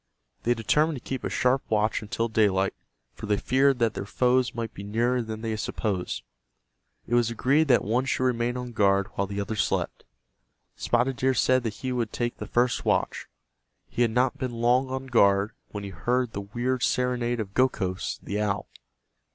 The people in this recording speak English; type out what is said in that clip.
They determined to keep a sharp watch until daylight, for they feared that their foes might be nearer than they supposed. It was agreed that one should remain on guard while the other slept. Spotted Deer said that he would take the first watch. He had not been long on guard when he heard the weird serenade of Gokhos, the owl.